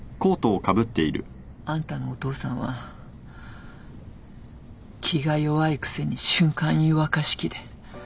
あんたのお父さんは気が弱いくせに瞬間湯沸かし器で。